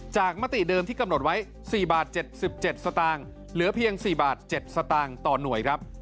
จากมติเดิมที่กำหนดไว้๔๗๗สตเหลือเพียง๔๗สตต่อน่วย